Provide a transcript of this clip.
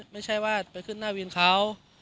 ไม่ใช่ว่าไปขึ้นหน้าวินเขา